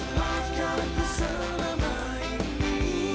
maafkan aku selama ini